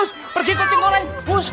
us us pergi kucing goreng